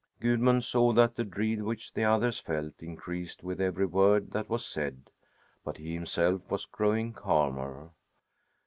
Gudmund saw that the dread which the others felt increased with every word that was said, but he himself was growing calmer.